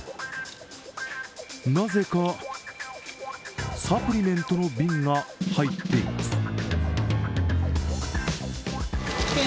なぜか、サプリメントの瓶が入っています。